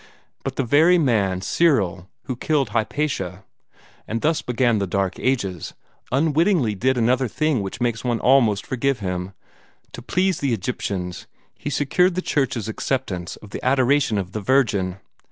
But the very man, Cyril, who killed Hypatia, and thus began the dark ages, unwittingly did another thing which makes one almost forgive him. To please the Egyptians, he secured the Church's acceptance of the adoration of the Virgin.